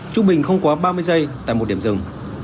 trung bình không quá ba mươi giây tại một điểm rừng